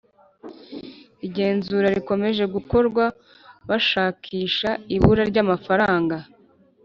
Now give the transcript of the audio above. Igenzura rikomeje gukorwa bashakishA ibura ry’amaranga